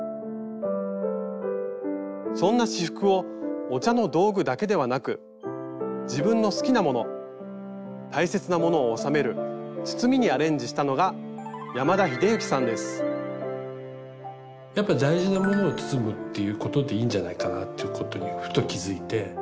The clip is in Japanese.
そんな仕覆をお茶の道具だけではなく自分の好きなもの大切なものを収める包みにアレンジしたのがやっぱ大事なものを包むっていうことでいいんじゃないかなっていうことにふと気付いて。